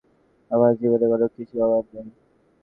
আমার জীবনে কোন কিছুর অভাব নেই।